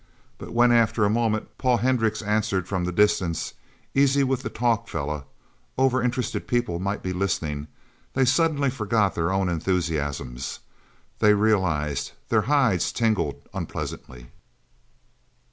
But when, after a moment, Paul Hendricks answered from the distance, "Easy with the talk, fella overinterested people might be listening," they suddenly forgot their own enthusiasms. They realized. Their hides tingled unpleasantly.